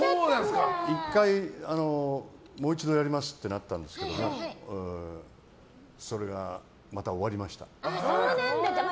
１回、もう一度やりますってなったんですけどそれがまた終わりましたね。